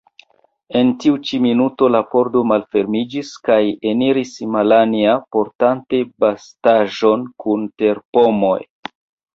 En tiu ĉi minuto la pordo malfermiĝis kaj eniris Malanja, portante bastaĵon kun terpomoj.